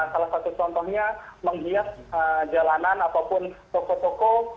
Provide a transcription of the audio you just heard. salah satu contohnya menghias jalanan ataupun toko toko